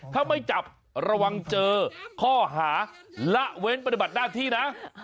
ถ้าไม่จับระวังเจอข้อหาละเว้นปฏิบัติหน้าที่นะ